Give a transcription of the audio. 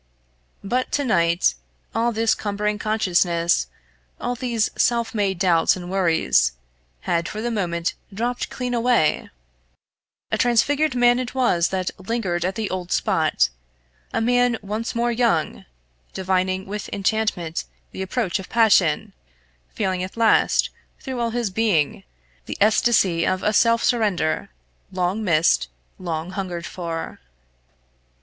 But to night all this cumbering consciousness, all these self made doubts and worries, had for the moment dropped clean away! A transfigured man it was that lingered at the old spot a man once more young, divining with enchantment the approach of passion, feeling at last through all his being the ecstasy of a self surrender, long missed, long hungered for.